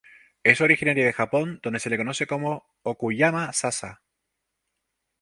Es originaria del Japón donde se le conoce como "Okuyama-zasa".